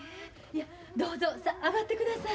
どうぞさあ上がってください。